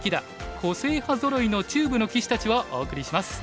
個性派ぞろいの中部の棋士たち」をお送りします。